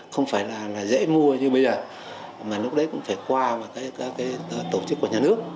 không phải là dễ mua như bây giờ mà lúc đấy cũng phải qua các tổ chức của nhà nước